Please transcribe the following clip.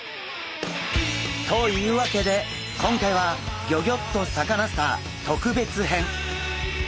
というわけで今回は「ギョギョッとサカナ★スター」特別編。